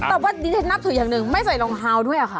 ตอบว่านี่จะนับสุดอย่างหนึ่งไม่ใส่รองเท้าด้วยหรอค่ะ